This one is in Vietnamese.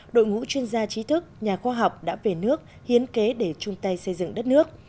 đội ngũ chuyên gia trí thức nhà khoa học đã về nước hiến kế để chung tay xây dựng đất nước